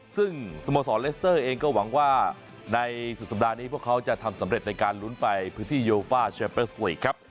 ซึ่งสโมสรเลสเตอร์เองก็หวังว่าในสุดสัปดาห์นี้พวกเขาจะทำสำเร็จในการลุ้นไปพื้นที่โยฟ่าเชเปอร์สวีทครับ